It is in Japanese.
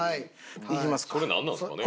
それなんなんですかね。